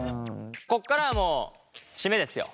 ここからはもう締めですよ。